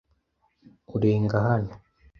Urenga hano .